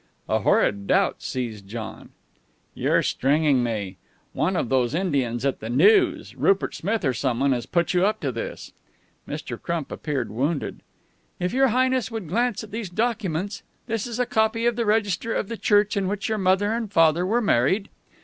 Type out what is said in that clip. A horrid doubt seized John. "You're stringing me. One of those Indians at the News, Rupert Smith, or someone, has put you up to this." Mr. Crump appeared wounded. "If Your Highness would glance at these documents This is a copy of the register of the church in which your mother and father were married."